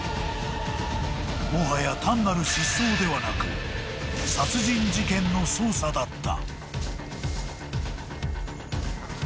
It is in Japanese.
［もはや単なる失踪ではなく殺人事件の捜査だった］